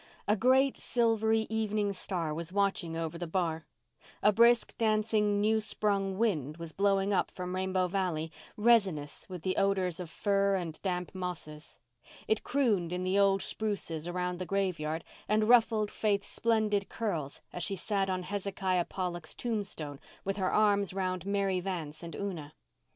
A great silvery evening star was watching over the bar. A brisk, dancing, new sprung wind was blowing up from Rainbow Valley, resinous with the odours of fir and damp mosses. It crooned in the old spruces around the graveyard and ruffled Faith's splendid curls as she sat on Hezekiah Pollock's tombstone with her arms round Mary Vance and Una.